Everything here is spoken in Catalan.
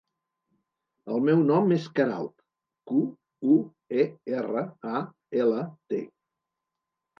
El meu nom és Queralt: cu, u, e, erra, a, ela, te.